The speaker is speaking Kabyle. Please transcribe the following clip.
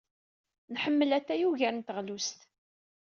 Nḥemmel atay ugar n teɣlust.